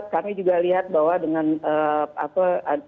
kami juga lihat bahwa dengan apa